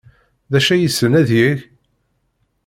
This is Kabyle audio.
D acu ay yessen ad yeg?